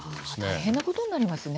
大変なことになりますね。